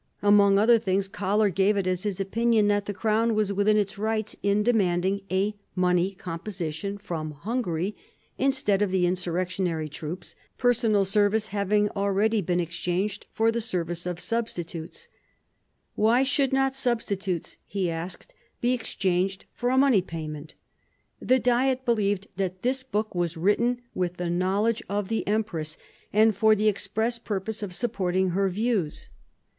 Among other things Kollar gave it as his opinion that the crown was within its rights in de manding a money composition from Hungary instead of the insurrectionary troops; personal service having already been exchanged for the service of substitutes, why should not substitutes, he asked, be exchanged for a money payment ? The Diet believed that this book was written with the knowledge of the empress and for the express purpose of supporting her views.